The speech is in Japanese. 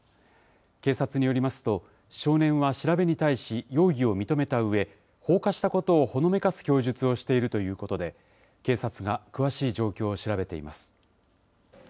警察によりますと、少年は調べに対し、容疑を認めたうえ、放火したことをほのめかす供述をしているということで、警察が詳しい状況を調べています。